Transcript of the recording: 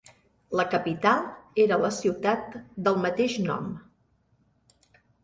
La capital era la ciutat del mateix nom.